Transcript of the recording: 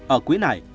ở quỹ này